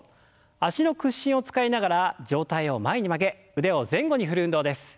脚の屈伸を使いながら上体を前に曲げ腕を前後に振る運動です。